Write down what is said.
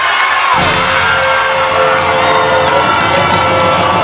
แม่ขึ้นมา